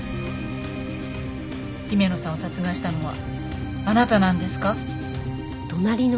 姫野さんを殺害したのはあなたなんですか？